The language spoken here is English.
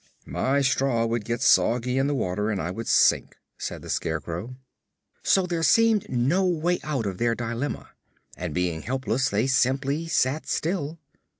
"My straw would get soggy in the water and I would sink," said the Scarecrow. So there seemed no way out of their dilemma and being helpless they simply sat still.